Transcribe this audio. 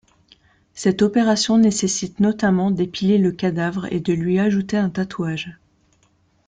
Cette opération nécessite notamment d'épiler le cadavre et de lui ajouter un tatouage.